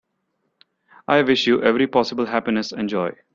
I wish you every possible happiness and joy.